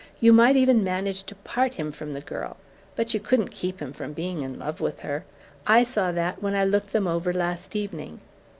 You might even manage to part him from the girl; but you couldn't keep him from being in love with her. I saw that when I looked them over last evening.